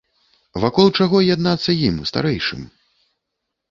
Вакол чаго яднацца ім, старэйшым?